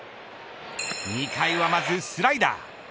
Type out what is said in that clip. ２回はまずスライダー。